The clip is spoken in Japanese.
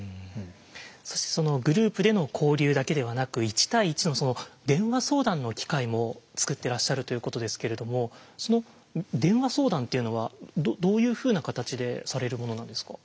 そしてそのグループでの交流だけではなく１対１の電話相談の機会も作ってらっしゃるということですけれどもその電話相談というのはどういうふうな形でされるものなんですか。